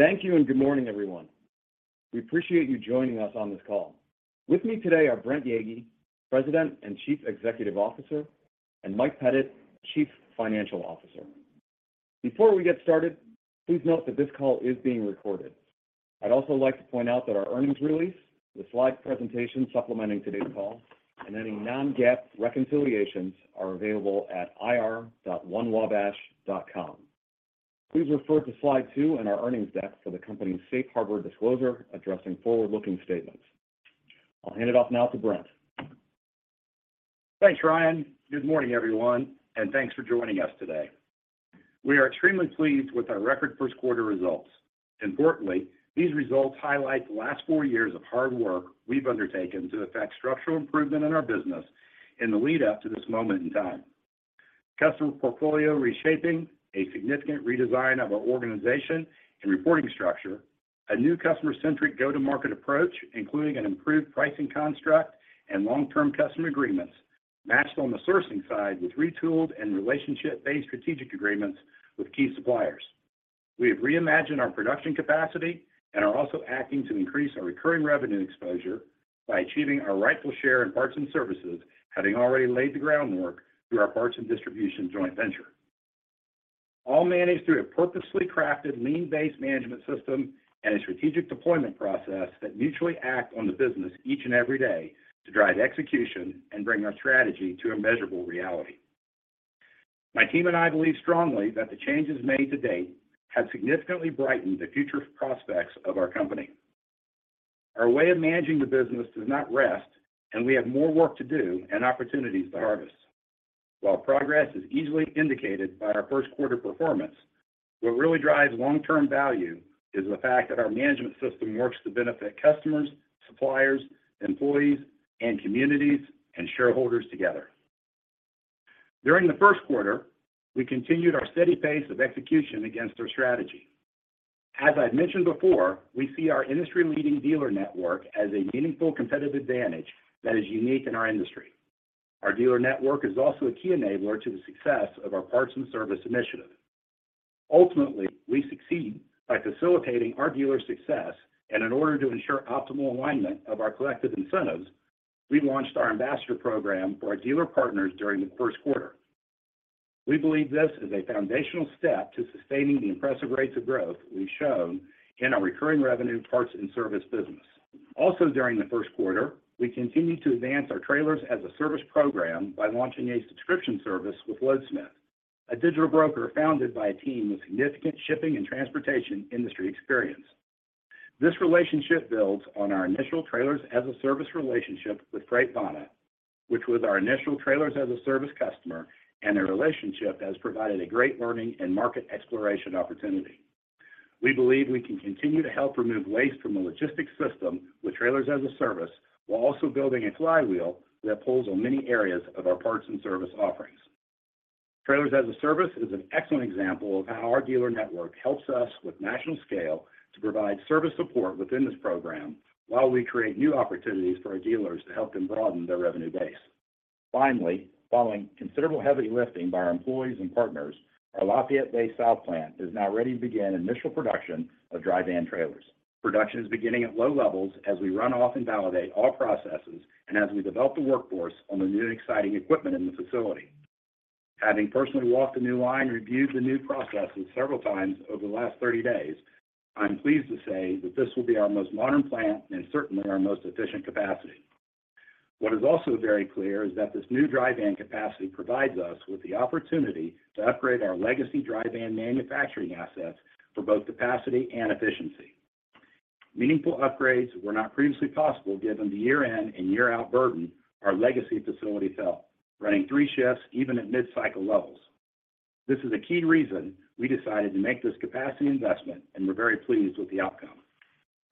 Thank you and good morning, everyone. We appreciate you joining us on this call. With me today are Brent Yeagy, President and Chief Executive Officer, and Mike Pettit, Chief Financial Officer. Before we get started, please note that this call is being recorded. I'd also like to point out that our earnings release, the slide presentation supplementing today's call, and any non-GAAP reconciliations are available at ir.onewabash.com. Please refer to slide two in our earnings deck for the company's safe harbor disclosure addressing forward-looking statements. I'll hand it off now to Brent. Thanks, Ryan. Good morning, everyone, thanks for joining us today. We are extremely pleased with our record first quarter results. Importantly, these results highlight the last four years of hard work we've undertaken to affect structural improvement in our business in the lead up to this moment in time. Customer portfolio reshaping, a significant redesign of our organization and reporting structure, a new customer-centric go-to-market approach, including an improved pricing construct and long-term customer agreements, matched on the sourcing side with retooled and relationship-based strategic agreements with key suppliers. We have reimagined our production capacity and are also acting to increase our recurring revenue exposure by achieving our rightful share in Parts and Services, having already laid the groundwork through our parts and distribution joint venture. All managed through a purposely crafted lean-based management system and a strategic deployment process that mutually act on the business each and every day to drive execution and bring our strategy to a measurable reality. My team and I believe strongly that the changes made to date have significantly brightened the future prospects of our company. Our way of managing the business does not rest, and we have more work to do and opportunities to harvest. While progress is easily indicated by our first quarter performance, what really drives long-term value is the fact that our management system works to benefit customers, suppliers, employees, and communities and shareholders together. During the first quarter, we continued our steady pace of execution against our strategy. As I've mentioned before, we see our industry-leading dealer network as a meaningful competitive advantage that is unique in our industry. Our dealer network is also a key enabler to the success of our Parts and Services initiative. Ultimately, we succeed by facilitating our dealer success, and in order to ensure optimal alignment of our collective incentives, we launched our Ambassador program for our dealer partners during the first quarter. We believe this is a foundational step to sustaining the impressive rates of growth we've shown in our recurring revenue Parts and Services business. During the first quarter, we continued to advance our Trailers as a Service program by launching a subscription service with Loadsmith, a digital broker founded by a team with significant shipping and transportation industry experience. This relationship builds on our initial Trailers as a Service relationship with FreightVana, which was our initial Trailers as a Service customer, and their relationship has provided a great learning and market exploration opportunity. We believe we can continue to help remove waste from the logistics system with Trailers as a Service while also building a flywheel that pulls on many areas of Parts and Services offerings. trailers as a service is an excellent example of how our dealer network helps us with national scale to provide service support within this program while we create new opportunities for our dealers to help them broaden their revenue base. Finally, following considerable heavy lifting by our employees and partners, our Lafayette-based south plant is now ready to begin initial production of dry van trailers. Production is beginning at low levels as we run off and validate all processes and as we develop the workforce on the new and exciting equipment in the facility. Having personally walked the new line and reviewed the new processes several times over the last 30 days, I'm pleased to say that this will be our most modern plant and certainly our most efficient capacity. What is also very clear is that this new dry van capacity provides us with the opportunity to upgrade our legacy dry van manufacturing assets for both capacity and efficiency. Meaningful upgrades were not previously possible given the year-end and year-out burden our legacy facility felt, running three shifts even at mid-cycle levels. This is a key reason we decided to make this capacity investment, and we're very pleased with the outcome.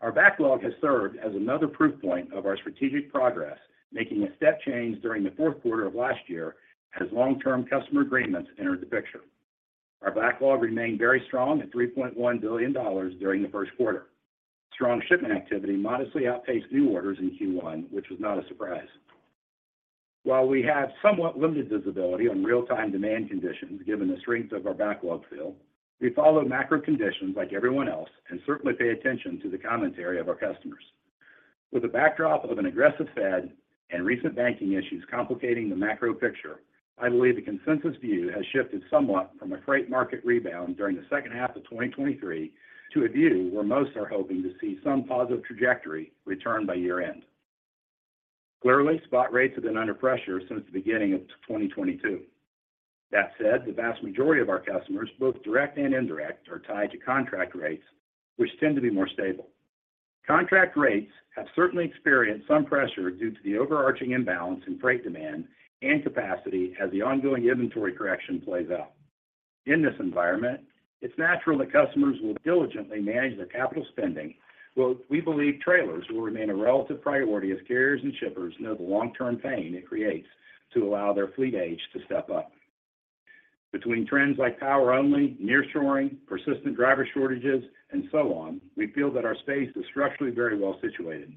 Our backlog has served as another proof point of our strategic progress, making a step change during the fourth quarter of last year as long-term customer agreements entered the picture. Our backlog remained very strong at $3.1 billion during the first quarter. Strong shipment activity modestly outpaced new orders in Q1, which was not a surprise. While we have somewhat limited visibility on real-time demand conditions given the strength of our backlog fill, we follow macro conditions like everyone else and certainly pay attention to the commentary of our customers. With a backdrop of an aggressive Fed and recent banking issues complicating the macro picture, I believe the consensus view has shifted somewhat from a freight market rebound during the second half of 2023 to a view where most are hoping to see some positive trajectory return by year-end. Clearly, spot rates have been under pressure since the beginning of 2022. That said, the vast majority of our customers, both direct and indirect, are tied to contract rates, which tend to be more stable. Contract rates have certainly experienced some pressure due to the overarching imbalance in freight demand and capacity as the ongoing inventory correction plays out. In this environment, it's natural that customers will diligently manage their capital spending, while we believe trailers will remain a relative priority as carriers and shippers know the long-term pain it creates to allow their fleet age to step up. Between trends like power only, nearshoring, persistent driver shortages, and so on, we feel that our space is structurally very well situated.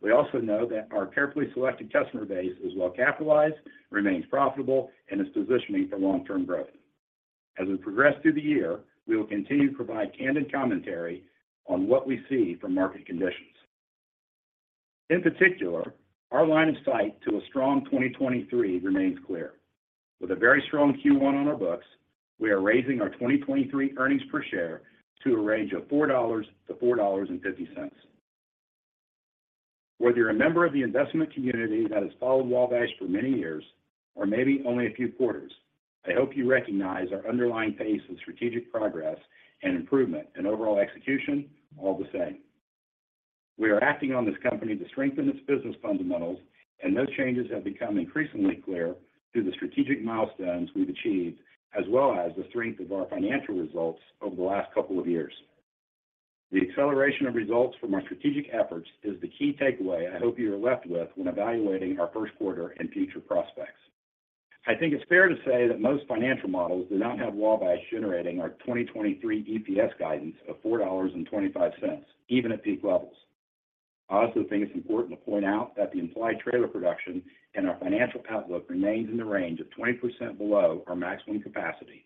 We also know that our carefully selected customer base is well capitalized, remains profitable, and is positioning for long-term growth. As we progress through the year, we will continue to provide candid commentary on what we see from market conditions. In particular, our line of sight to a strong 2023 remains clear. With a very strong Q1 on our books, we are raising our 2023 earnings per share to a range of $4.00-$4.50. Whether you're a member of the investment community that has followed Wabash for many years or maybe only a few quarters, I hope you recognize our underlying pace of strategic progress and improvement in overall execution all the same. We are acting on this company to strengthen its business fundamentals, and those changes have become increasingly clear through the strategic milestones we've achieved, as well as the strength of our financial results over the last couple of years. The acceleration of results from our strategic efforts is the key takeaway I hope you are left with when evaluating our first quarter and future prospects. I think it's fair to say that most financial models do not have Wabash generating our 2023 EPS guidance of $4.25, even at peak levels. I also think it's important to point out that the implied trailer production and our financial outlook remains in the range of 20% below our maximum capacity,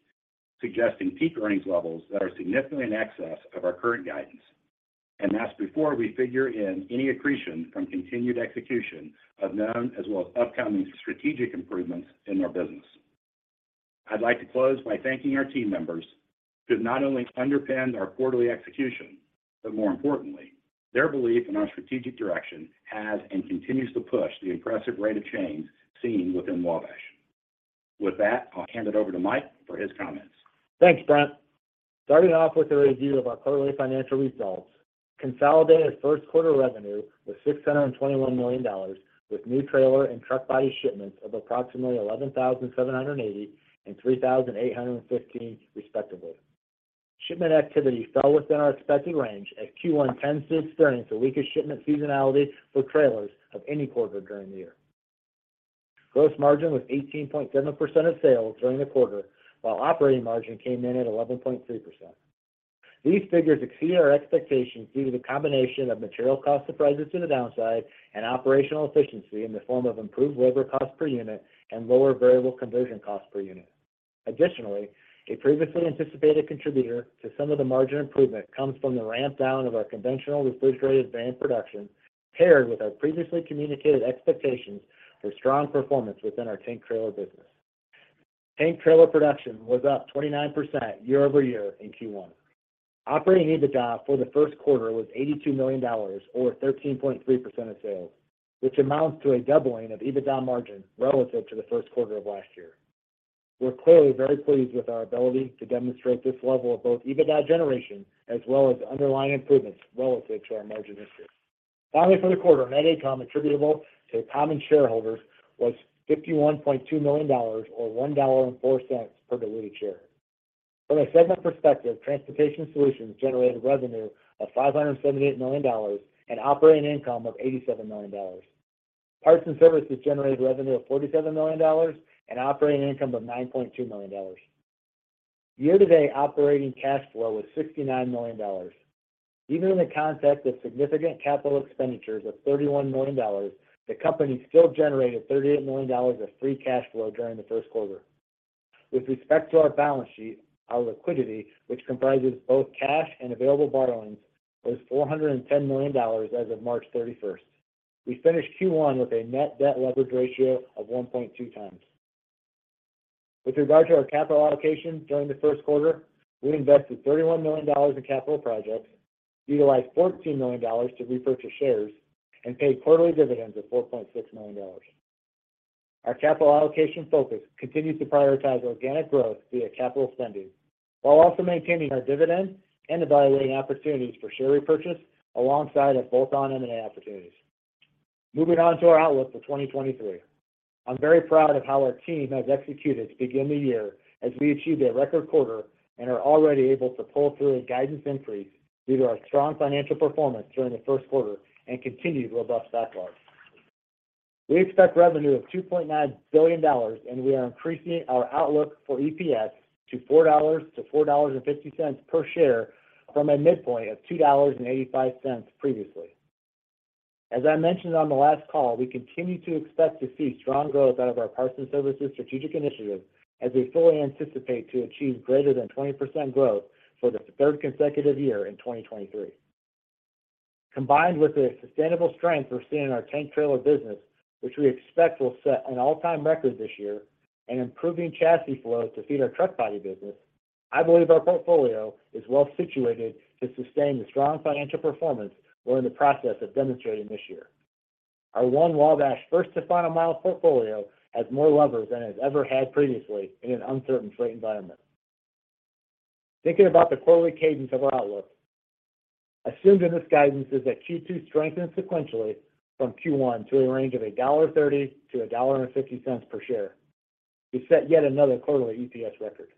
suggesting peak earnings levels that are significantly in excess of our current guidance. That's before we figure in any accretion from continued execution of known as well as upcoming strategic improvements in our business. I'd like to close by thanking our team members who have not only underpinned our quarterly execution, but more importantly, their belief in our strategic direction has and continues to push the impressive rate of change seen within Wabash. With that, I'll hand it over to Mike for his comments. Thanks, Brent. Starting off with a review of our quarterly financial results, consolidated first quarter revenue was $621 million with new trailer and truck body shipments of approximately 11,780 and 3,815 respectively. Shipment activity fell within our expected range as Q1 tends to experience the weakest shipment seasonality for trailers of any quarter during the year. Gross margin was 18.7% of sales during the quarter, while operating margin came in at 11.3%. These figures exceed our expectations due to the combination of material cost surprises in the downside and operational efficiency in the form of improved labor cost per unit and lower variable conversion cost per unit. A previously anticipated contributor to some of the margin improvement comes from the ramp-down of our conventional refrigerated van production, paired with our previously communicated expectations for strong performance within our tank trailer business. Tank trailer production was up 29% year-over-year in Q1. Operating EBITDA for the first quarter was $82 million, or 13.3% of sales, which amounts to a doubling of EBITDA margin relative to the first quarter of last year. We're clearly very pleased with our ability to demonstrate this level of both EBITDA generation as well as underlying improvements relative to our margin history. For the quarter, net income attributable to common shareholders was $51.2 million, or $1.04 per diluted share. From a segment perspective, Transportation Solutions generated revenue of $578 million and operating income of $87 million. Parts and Services generated revenue of $47 million and operating income of $9.2 million. Year-to-date operating cash flow was $69 million. Even in the context of significant capital expenditures of $31 million, the company still generated $38 million of free cash flow during the first quarter. With respect to our balance sheet, our liquidity, which comprises both cash and available borrowings, was $410 million as of March 31st. We finished Q1 with a net debt leverage ratio of 1.2x. With regard to our capital allocation during the first quarter, we invested $31 million in capital projects, utilized $14 million to repurchase shares, and paid quarterly dividends of $4.6 million. Our capital allocation focus continues to prioritize organic growth via capital spending while also maintaining our dividends and evaluating opportunities for share repurchase alongside of bolt-on M&A opportunities. Moving on to our outlook for 2023. I'm very proud of how our team has executed to begin the year as we achieved a record quarter and are already able to pull through a guidance increase due to our strong financial performance during the first quarter and continued robust backlogs. We expect revenue of $2.9 billion. We are increasing our outlook for EPS to $4.00-$4.50 per share from a midpoint of $2.85 previously. As I mentioned on the last call, we continue to expect to see strong growth out of our Parts and Services strategic initiative as we fully anticipate to achieve greater than 20% growth for the third consecutive year in 2023. Combined with the sustainable strength we're seeing in our tank trailer business, which we expect will set an all-time record this year and improving chassis flows to feed our truck body business, I believe our portfolio is well situated to sustain the strong financial performance we're in the process of demonstrating this year. Our One Wabash First to Final Mile portfolio has more levers than it's ever had previously in an uncertain freight environment. Thinking about the quarterly cadence of our outlook, assumed in this guidance is that Q2 strengthened sequentially from Q1 to a range of $1.30-$1.50 per share. We set yet another quarterly EPS record.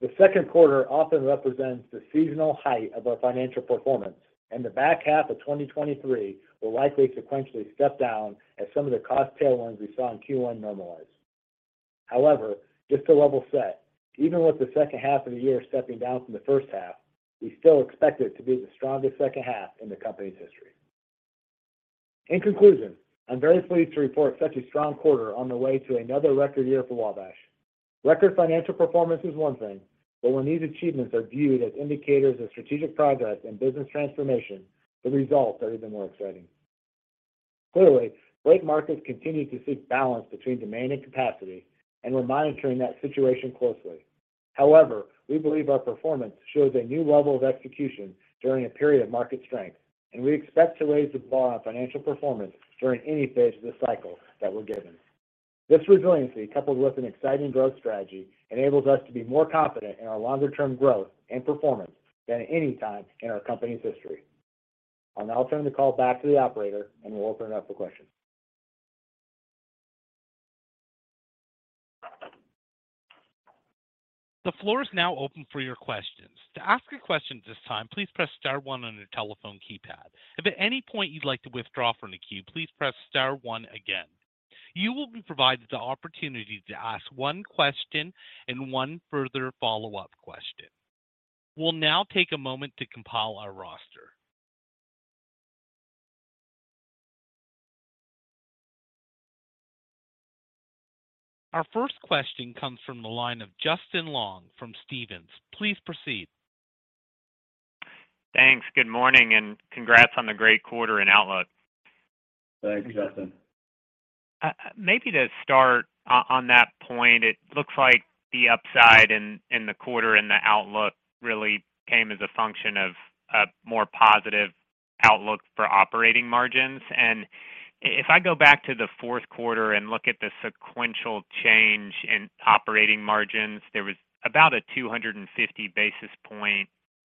The second quarter often represents the seasonal height of our financial performance, and the back half of 2023 will likely sequentially step down as some of the cost tailwinds we saw in Q1 normalize. Just to level-set, even with the second half of the year stepping down from the first half, we still expect it to be the strongest second half in the company's history. In conclusion, I'm very pleased to report such a strong quarter on the way to another record year for Wabash. Record financial performance is one thing, but when these achievements are viewed as indicators of strategic progress and business transformation, the results are even more exciting. Great markets continue to seek balance between demand and capacity, and we're monitoring that situation closely. However, we believe our performance shows a new level of execution during a period of market strength, and we expect to raise the bar on financial performance during any phase of this cycle that we're given. This resiliency, coupled with an exciting growth strategy, enables us to be more confident in our longer term growth and performance than any time in our company's history. I'll now turn the call back to the operator and we'll open it up for questions. The floor is now open for your questions. To ask a question at this time, please press star one on your telephone keypad. If at any point you'd like to withdraw from the queue, please press star one again. You will be provided the opportunity to ask one question and one further follow-up question. We'll now take a moment to compile our roster. Our first question comes from the line of Justin Long from Stephens. Please proceed. Thanks. Good morning, and congrats on the great quarter and outlook. Thanks, Justin. Maybe to start on that point, it looks like the upside in the quarter and the outlook really came as a function of a more positive outlook for operating margins. If I go back to the fourth quarter and look at the sequential change in operating margins, there was about a 250 basis points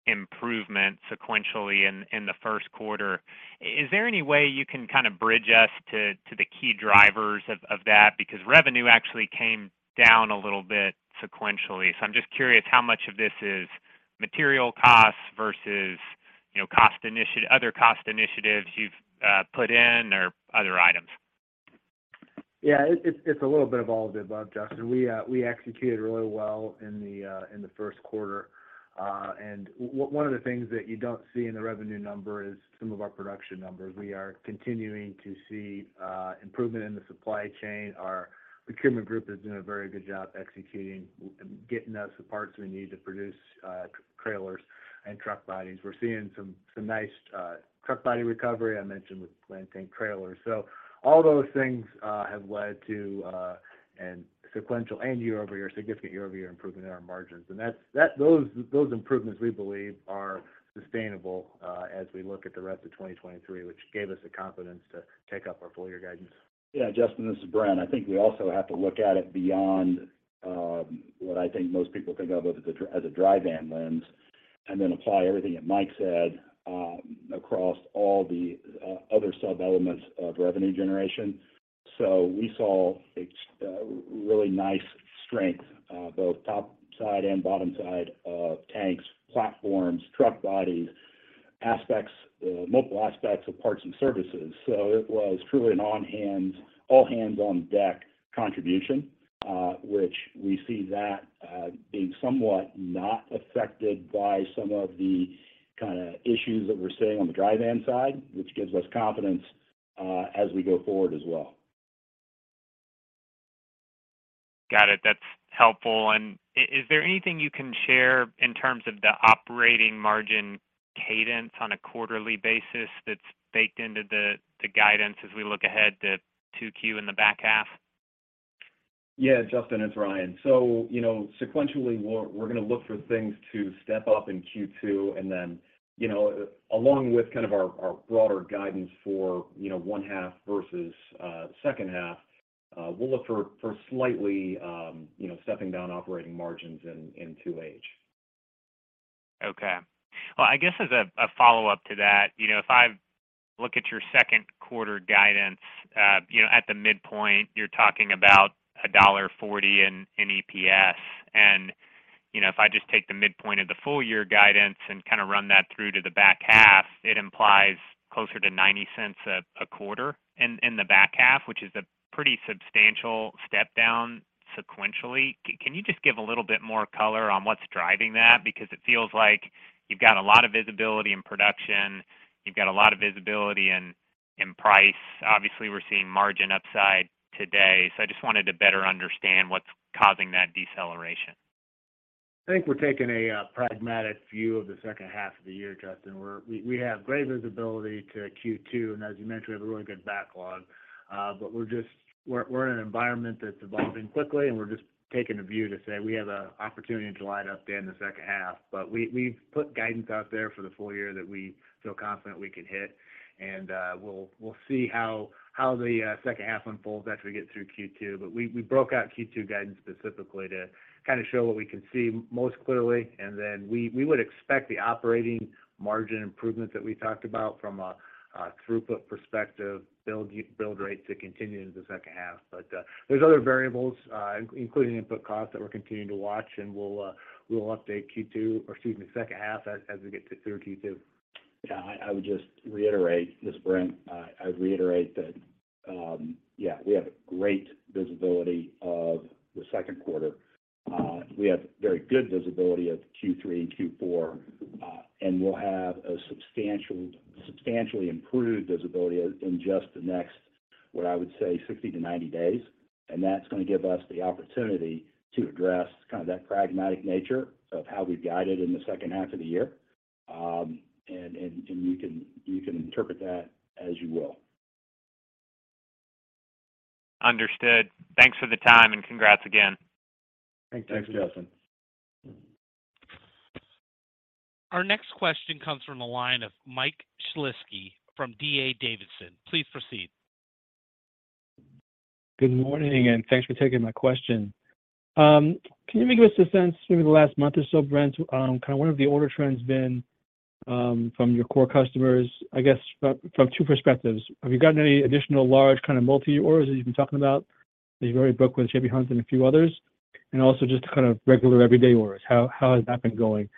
improvement sequentially in the first quarter. Is there any way you can kind of bridge us to the key drivers of that? Because revenue actually came down a little bit sequentially. I'm just curious how much of this is material costs versus, you know, other cost initiatives you've put in or other items. Yeah, it's a little bit of all of the above, Justin. We executed really well in the first quarter. One of the things that you don't see in the revenue number is some of our production numbers. We are continuing to see improvement in the supply chain. Our procurement group has done a very good job executing, getting us the parts we need to produce trailers and truck bodies. We're seeing some nice truck body recovery, I mentioned, with tank trailers. All those things have led to sequential and significant year-over-year improvement in our margins. Those improvements, we believe, are sustainable as we look at the rest of 2023, which gave us the confidence to take up our full year guidance. Justin, this is Brent. I think we also have to look at it beyond what I think most people think of as a dry van lens, and then apply everything that Mike said across all the other sub-elements of revenue generation. We saw a really nice strength both top side and bottom side of tanks, platforms, truck bodies, aspects, multiple aspects of Parts and Services. It was truly an all-hands-on-deck contribution, which we see that being somewhat not affected by some of the kind of issues that we're seeing on the dry van side, which gives us confidence as we go forward as well. Got it. That's helpful. Is there anything you can share in terms of the operating margin cadence on a quarterly basis that's baked into the guidance as we look ahead to 2Q in the back half? Justin, it's Ryan. You know, sequentially, we're gonna look for things to step up in Q2, and then, you know, along with kind of our broader guidance for, you know, one half versus the second half, we'll look for slightly, you know, stepping down operating margins in 2H. Okay. Well, I guess as a follow-up to that, you know, if I look at your second quarter guidance, you know, at the midpoint, you're talking about $1.40 in EPS. And, you know, if I just take the midpoint of the full year guidance and kind of run that through to the back half, it implies closer to $0.90 a quarter in the back half, which is a pretty substantial step down sequentially. Can you just give a little bit more color on what's driving that? Because it feels like you've got a lot of visibility in production, you've got a lot of visibility in price. Obviously, we're seeing margin upside today. So I just wanted to better understand what's causing that deceleration. I think we're taking a pragmatic view of the second half of the year, Justin. We have great visibility to Q2, and as you mentioned, we have a really good backlog. We're just, we're in an environment that's evolving quickly, and we're just taking a view to say we have a opportunity to light up there in the second half. We, we've put guidance out there for the full year that we feel confident we can hit. We'll, we'll see how the second half unfolds as we get through Q2. We, we broke out Q2 guidance specifically to kind of show what we can see most clearly. Then we would expect the operating margin improvements that we talked about from a throughput perspective, build rate to continue into the second half. there's other variables, including input costs that we're continuing to watch, and we'll update Q2 or, excuse me, second half as we get to through Q2. I would just reiterate, this Brent, I reiterate that we have great visibility of the second quarter. We have very good visibility of Q3 and Q4. We'll have a substantially improved visibility in just the next, what I would say 60 to 90 days. That's gonna give us the opportunity to address kind of that pragmatic nature of how we've guided in the second half of the year. You can interpret that as you will. Understood. Thanks for the time, congrats again. Thanks. Thanks, Justin. Our next question comes from the line of Michael Shlisky from D.A. Davidson. Please proceed. Good morning, and thanks for taking my question. Can you maybe give us a sense, maybe the last month or so, Brent, kind of what have the order trends been from your core customers, I guess from two perspectives? Have you gotten any additional large kind of multi-orders that you've been talking about that you've already booked with J.B. Hunt and a few others? Also just kind of regular everyday orders, how has that been going?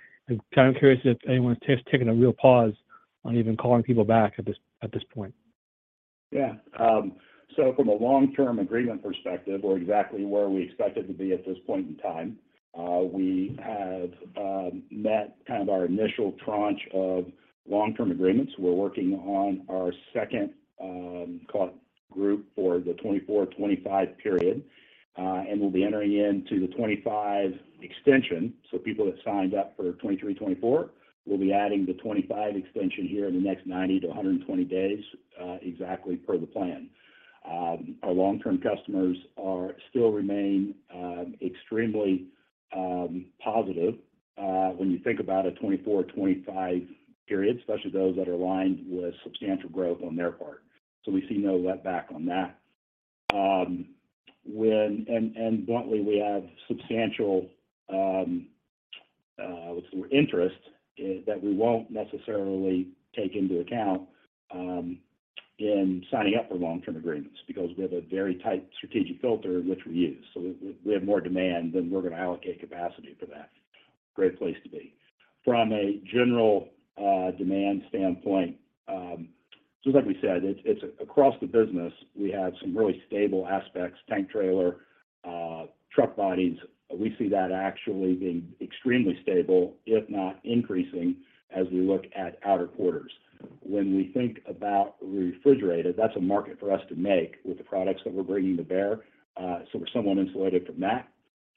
Kind of curious if anyone's taken a real pause on even calling people back at this, at this point. From a long-term agreement perspective, we're exactly where we expected to be at this point in time. We have met kind of our initial tranche of long-term agreements. We're working on our second, call it group for the 2024, 2025 period. We'll be entering into the 2025 extension, so people that signed up for 2023, 2024, we'll be adding the 2025 extension here in the next 90 to 120 days, exactly per the plan. Our long-term customers are still remain extremely positive when you think about a 2024-2025 period, especially those that are aligned with substantial growth on their part. We see no letback on that. Bluntly, we have substantial interest that we won't necessarily take into account in signing up for long-term agreements because we have a very tight strategic filter, which we use. We have more demand than we're gonna allocate capacity for that. Great place to be. From a general demand standpoint, just like we said, it's across the business, we have some really stable aspects, tank trailer, truck bodies. We see that actually being extremely stable, if not increasing as we look at outer quarters. When we think about refrigerated, that's a market for us to make with the products that we're bringing to bear, so we're somewhat insulated from that.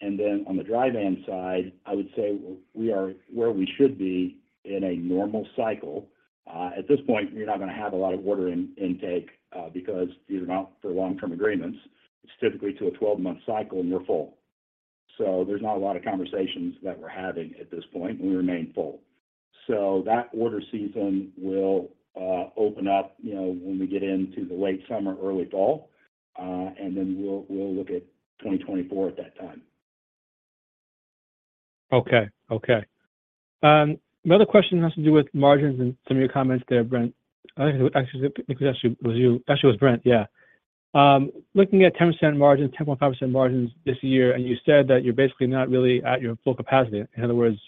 On the dry van side, I would say we are where we should be in a normal cycle. At this point, you're not gonna have a lot of order intake because these are not for long-term agreements. It's typically to a 12-month cycle, and you're full. There's not a lot of conversations that we're having at this point, and we remain full. That order season will open up, you know, when we get into the late summer, early fall, and then we'll look at 2024 at that time. Okay. Okay. Another question has to do with margins and some of your comments there, Brent. I think actually, it was you. Actually, it was Brent, yeah. Looking at 10% margins, 10.5% margins this year, and you said that you're basically not really at your full capacity. In other words,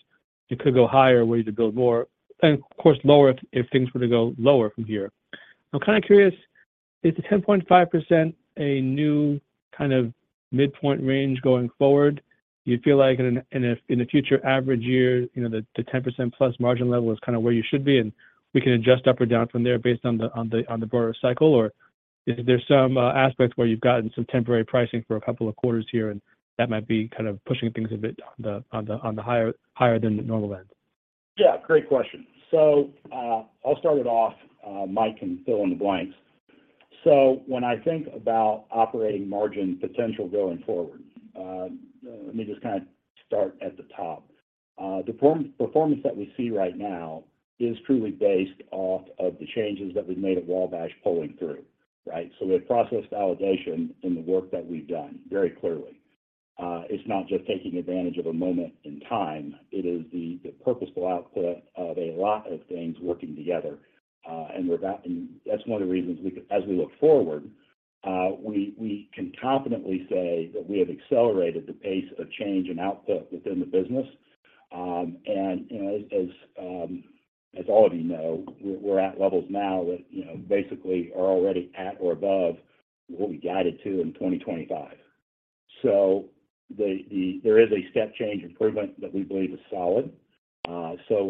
you could go higher where you could build more, and of course, lower if things were to go lower from here. I'm kind of curious, is the 10.5% a new kind of midpoint range going forward? You feel like in a future average year, you know, the 10% plus margin level is kind of where you should be, and we can adjust up or down from there based on the, on the, on the broader cycle? Is there some aspect where you've gotten some temporary pricing for a couple of quarters here and that might be kind of pushing things a bit on the higher than normal end? Great question. I'll start it off, Mike, and fill in the blanks. When I think about operating margin potential going forward, let me just kind of start at the top. The performance that we see right now is truly based off of the changes that we've made at Wabash pulling through, right? We have processed validation in the work that we've done very clearly. It's not just taking advantage of a moment in time, it is the purposeful output of a lot of things working together. That's one of the reasons we could as we look forward, we can confidently say that we have accelerated the pace of change and output within the business. And, you know, as all of you know, we're at levels now that, you know, basically are already at or above what we guided to in 2025. There is a step change improvement that we believe is solid.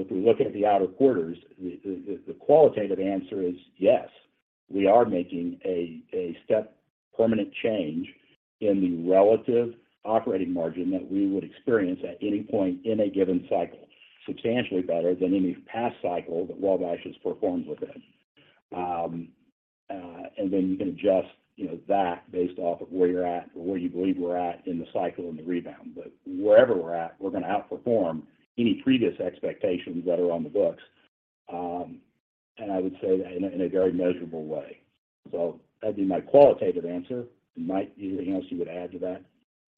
If we look at the outer quarters, the qualitative answer is yes, we are making a step permanent change in the relative operating margin that we would experience at any point in a given cycle, substantially better than any past cycle that Wabash has performed within. You can adjust, you know, that based off of where you're at or where you believe we're at in the cycle and the rebound. Wherever we're at, we're gonna outperform any previous expectations that are on the books, and I would say in a very measurable way. That'd be my qualitative answer. Mike, anything else you would add to that?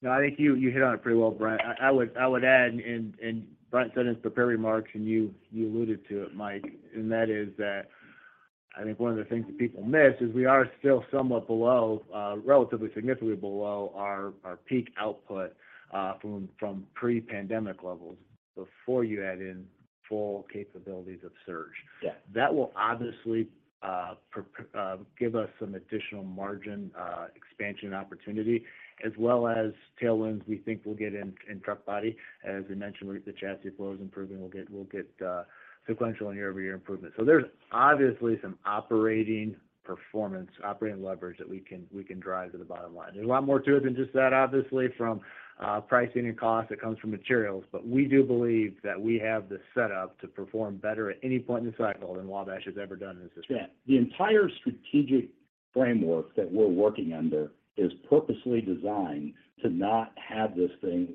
No, I think you hit on it pretty well, Brent. I would add and Brent said in his prepared remarks, and you alluded to it, Mike, and that is that I think one of the things that people miss is we are still somewhat below, relatively significantly below our peak output, from pre-pandemic levels before you add in full capabilities of surge. Yeah. That will obviously give us some additional margin expansion opportunity as well as tailwinds we think we'll get in truck body. As we mentioned, with the chassis flows improving, we'll get sequential and year-over-year improvement. There's obviously some operating performance, operating leverage that we can drive to the bottom line. There's a lot more to it than just that, obviously, from pricing and cost that comes from materials. We do believe that we have the setup to perform better at any point in the cycle than Wabash has ever done in its history. Yeah. The entire strategic framework that we're working under is purposely designed to not have this thing,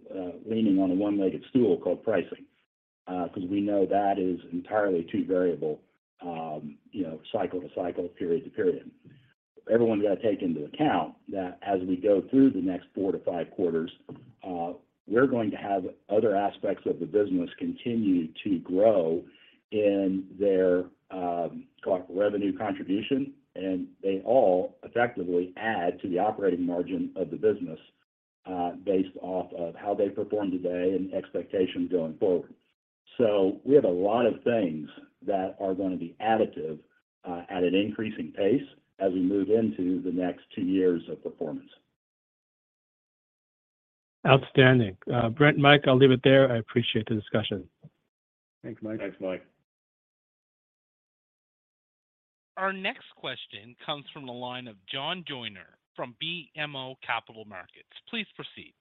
leaning on a one-legged stool called pricing. We know that is entirely too variable, you know, cycle to cycle, period to period. Everyone's got to take into account that as we go through the next four to five quarters, we're going to have other aspects of the business continue to grow in their, call it revenue contribution, and they all effectively add to the operating margin of the business, based off of how they perform today and expectations going forward. We have a lot of things that are gonna be additive, at an increasing pace as we move into the next two years of performance. Outstanding. Brent, Mike, I'll leave it there. I appreciate the discussion. Thanks, Mike. Thanks, Mike. Our next question comes from the line of John Joyner from BMO Capital Markets. Please proceed.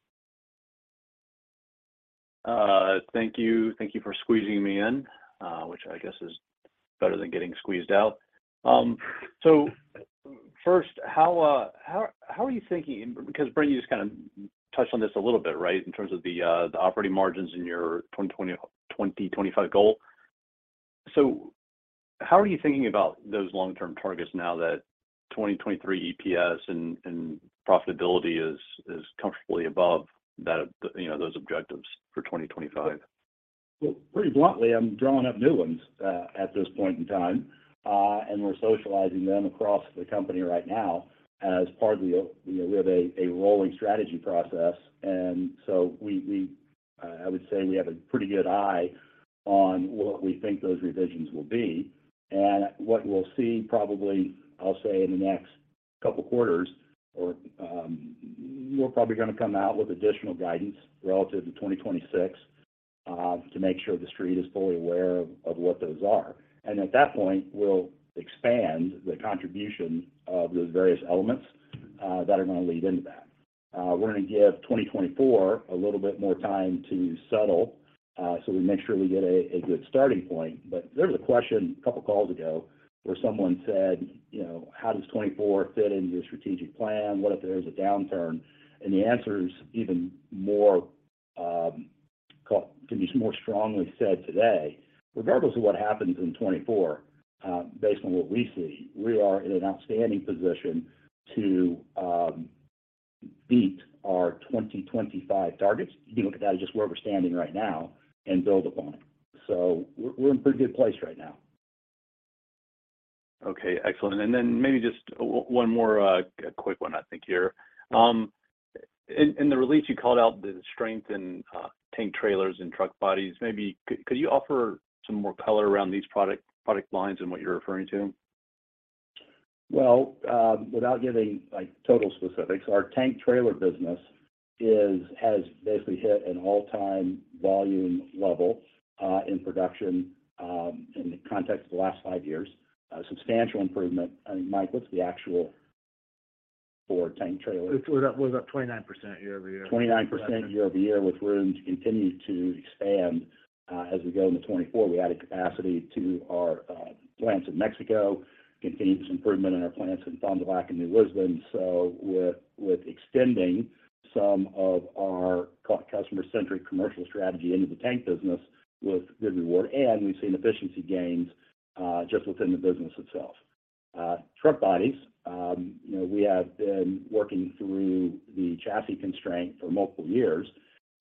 Thank you. Thank you for squeezing me in, which I guess is better than getting squeezed out. First, how are you thinking? Because Brent, you just kind of touched on this a little bit, right, in terms of the operating margins in your 2025 goal. How are you thinking about those long-term targets now that 2023 EPS and profitability is comfortably above that, you know, those objectives for 2025? Well, pretty bluntly, I'm drawing up new ones, at this point in time, and we're socializing them across the company right now as part of the, you know, we have a rolling strategy process. We, I would say we have a pretty good eye on what we think those revisions will be. What we'll see probably, I'll say in the next couple quarters, or, we're probably gonna come out with additional guidance relative to 2026, to make sure the street is fully aware of what those are. At that point, we'll expand the contribution of the various elements, that are gonna lead into that. We're gonna give 2024 a little bit more time to settle, so we make sure we get a good starting point. There was a question a couple of calls ago where someone said, you know, "How does 2024 fit into the strategic plan? What if there's a downturn?" The answer is even more, can be more strongly said today, regardless of what happens in 2024, based on what we see, we are in an outstanding position to beat our 2025 targets, even look at that as just where we're standing right now and build upon it. We're in pretty good place right now. Okay, excellent. Maybe just one more, quick one, I think here. In the release, you called out the strength in tank trailers and truck bodies. Maybe could you offer some more color around these product lines and what you're referring to? Well, without giving like total specifics, our tank trailer business has basically hit an all-time volume level in production, in the context of the last five years. A substantial improvement. I think, Mike, what's the actual for tank trailers? It was up 29% year-over-year. 29% year-over-year with room to continue to expand as we go into 2024. We added capacity to our plants in Mexico, continued some improvement in our plants in Fond du Lac and New Lisbon. With extending some of our customer-centric commercial strategy into the tank business with good reward, and we've seen efficiency gains just within the business itself. Truck bodies, you know, we have been working through the chassis constraint for multiple years.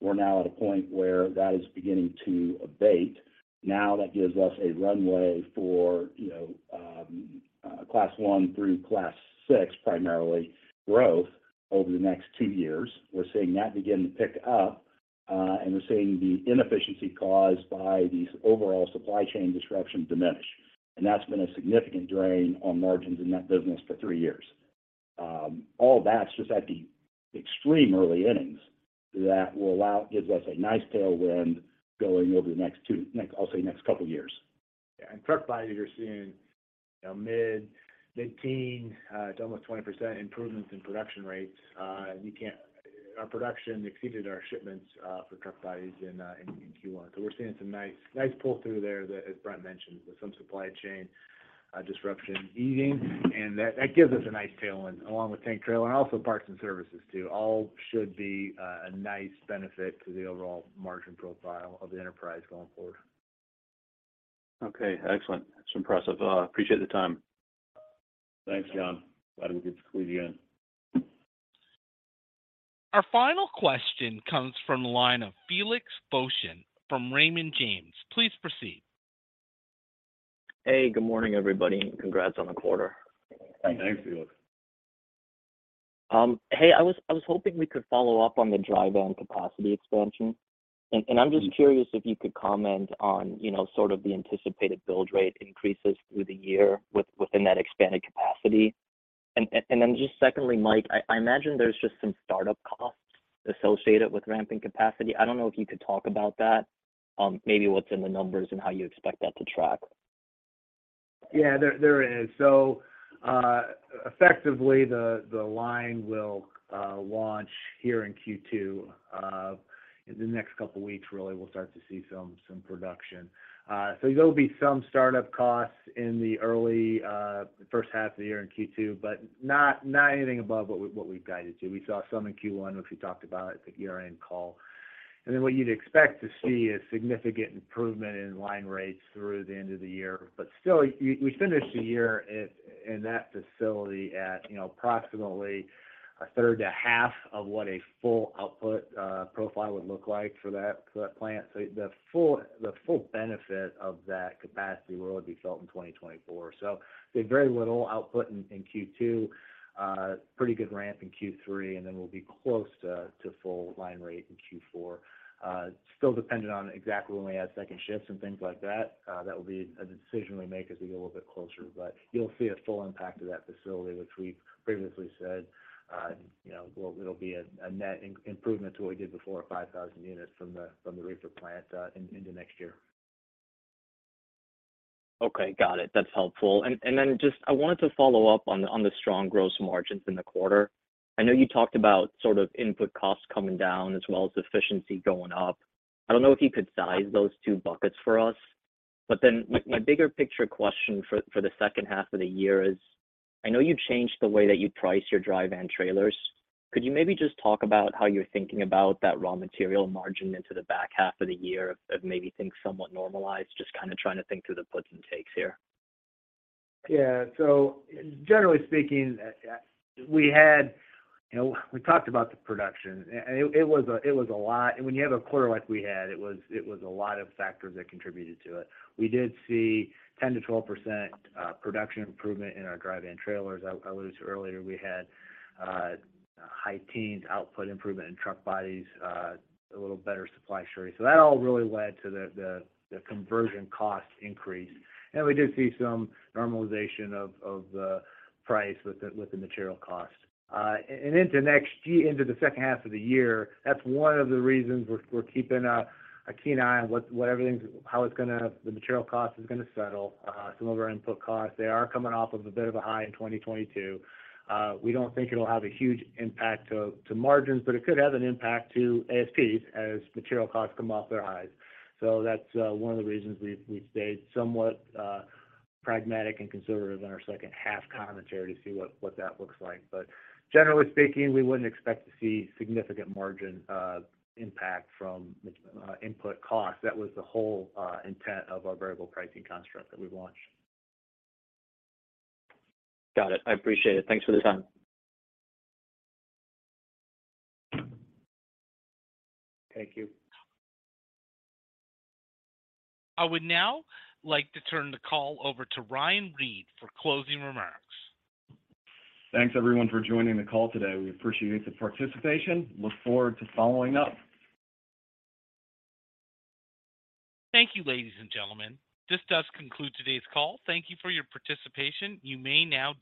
We're now at a point where that is beginning to abate. That gives us a runway for, you know, Class 1 through Class 6, primarily, growth over the next two years. We're seeing that begin to pick up, and we're seeing the inefficiency caused by these overall supply chain disruptions diminish. That's been a significant drain on margins in that business for three years. All that's just at the extreme early innings that gives us a nice tailwind going over the next two, I'll say next couple years. Yeah. Truck bodies, you're seeing, you know, mid-teen to almost 20% improvements in production rates. Our production exceeded our shipments for truck bodies in Q1. We're seeing some nice pull-through there that, as Brent mentioned, with some supply chain disruption easing. That gives us a nice tailwind along with tank trailer and also Parts and Services too. All should be a nice benefit to the overall margin profile of the enterprise going forward. Okay. Excellent. That's impressive. Appreciate the time. Thanks, John. Glad we could squeeze you in. Our final question comes from the line of Felix Boeschen from Raymond James. Please proceed. Hey, good morning, everybody, and congrats on the quarter. Thanks, Felix. Hey, I was hoping we could follow up on the dry van capacity expansion. I'm just curious if you could comment on, you know, sort of the anticipated build rate increases through the year within that expanded capacity. Just secondly, Mike, I imagine there's just some startup costs associated with ramping capacity. I don't know if you could talk about that, maybe what's in the numbers and how you expect that to track. Yeah. There is. Effectively, the line will launch here in Q2. In the next couple of weeks, really, we'll start to see some production. There will be some startup costs in the early first half of the year in Q2, but not anything above what we've guided to. We saw some in Q1, which we talked about at the year-end call. What you'd expect to see is significant improvement in line rates through the end of the year. Still, we finished the year in that facility at, you know, approximately a third to half of what a full output profile would look like for that plant. The full benefit of that capacity will really be felt in 2024. There's very little output in Q2, pretty good ramp in Q3, and then we'll be close to full line rate in Q4. Still dependent on exactly when we add second shifts and things like that. That will be a decision we make as we get a little bit closer. You'll see a full impact of that facility, which we previously said, you know, it'll be a net improvement to what we did before, 5,000 units from the reefer plant into next year. Okay. Got it. That's helpful. Then just I wanted to follow up on the strong gross margins in the quarter. I know you talked about sort of input costs coming down as well as efficiency going up. I don't know if you could size those two buckets for us. My bigger picture question for the second half of the year is, I know you've changed the way that you price your dry van trailers. Could you maybe just talk about how you're thinking about that raw material margin into the back half of the year if maybe things somewhat normalize? Just kinda trying to think through the puts and takes here. Generally speaking, we had, you know, we talked about the production, and it was a lot. When you have a quarter like we had, it was a lot of factors that contributed to it. We did see 10%-12% production improvement in our dry van trailers. I alluded to earlier, we had high teens output improvement in truck bodies, a little better supply story. That all really led to the conversion cost increase. We did see some normalization of the price with the material cost. Into the second half of the year, that's one of the reasons we're keeping a keen eye on what the material cost is gonna settle, some of our input costs. They are coming off of a bit of a high in 2022. We don't think it'll have a huge impact to margins, but it could have an impact to ASPs as material costs come off their highs. That's one of the reasons we've stayed somewhat pragmatic and conservative in our second half commentary to see what that looks like. Generally speaking, we wouldn't expect to see significant margin impact from input costs. That was the whole intent of our variable pricing construct that we launched. Got it. I appreciate it. Thanks for the time. Thank you. I would now like to turn the call over to Ryan Reed for closing remarks. Thanks everyone for joining the call today. We appreciate the participation. Look forward to following up. Thank you, ladies and gentlemen. This does conclude today's call. Thank you for your participation. You may now disconnect